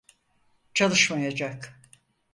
Çalışmayacak.